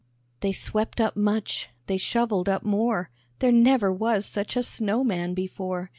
They swept up much, they shovelled up more, There never was such a snow man before!